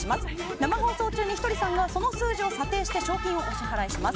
生放送中にひとりさんが査定して賞金をお支払いします。